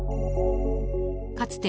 ［かつて］